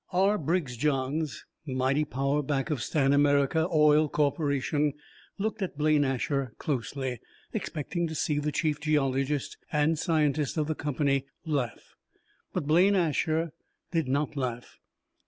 R. Briggs Johns, mighty power back of Stan America Oil Corporation, looked at Blaine Asher closely, expecting to see the chief geologist and scientist of the company laugh. But Blaine Asher did not laugh.